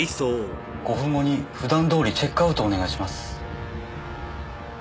５分後に普段どおりチェックアウトをお願いします。